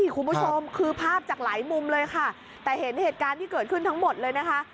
คุณผู้ชมคือภาพจากหลายมุมเลยค่ะแต่เห็นเหตุการณ์ที่เกิดขึ้นทั้งหมดเลยนะคะ